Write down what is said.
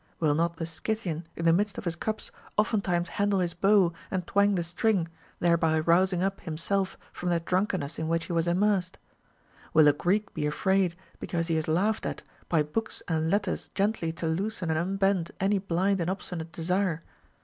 \Vill not the Scythian in the midst of his cups oftentimes handle his bow and twang the string, thereby rousing up himself from that drunkenness in which he was immersed ? Will a Greek be afraid, because he is laughed at, by books and letters gently to loosen and unbend any blind and obstinate desire